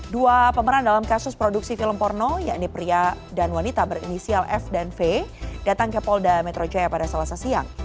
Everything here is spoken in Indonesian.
dua pemeran dalam kasus produksi film porno yakni pria dan wanita berinisial f dan v datang ke polda metro jaya pada selasa siang